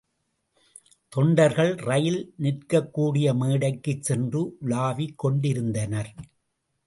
தொண்டர்கள் ரயில் நிற்கக்கூடிய மேடைக்குச் சென்று உலாவிக்கொண்டிருந்தனர்.